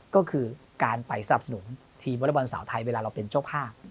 ก็คือการไปสนับสนุนทีมวอเล็กบอลสาวไทยเวลาเราเป็นเจ้าภาพ